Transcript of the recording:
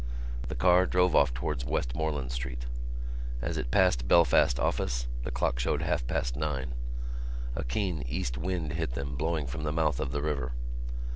The car drove off towards Westmoreland Street. As it passed Ballast Office the clock showed half past nine. A keen east wind hit them, blowing from the mouth of the river.